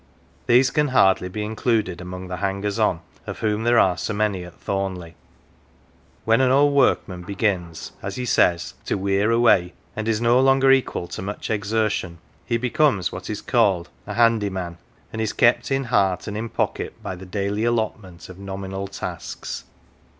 These can hardly be included among the "hangers on"" of whom there are so many at Thornleigh. When an old workman begins, as he says, to "weer away," and is no longer equal to much exertion, he becomes what is called " a handy man," and is kept in heart and in pocket by the daily allotment of nominal tasks.